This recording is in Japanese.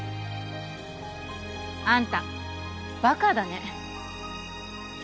あんたバカだね